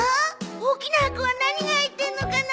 大きな箱は何が入ってんのかな？